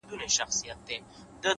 علم د ناپوهۍ محدودیت له منځه وړي’